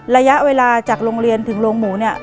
ระยะเวลาจากโรงเรียนถึงโรงหมูเนี่ย